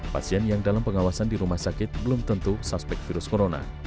pasien yang dalam pengawasan di rumah sakit belum tentu suspek virus corona